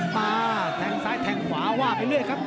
แต่แข้งซ้ายแข้งขวาว่าไปเรื่อยครับ